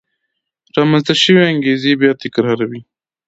رامنځته شوې انګېزې بیا تکرار وې.